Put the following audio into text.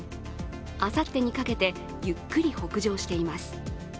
あさってにかけて、ゆっくり北上しています。